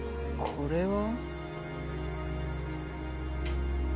これは？